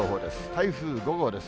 台風５号です。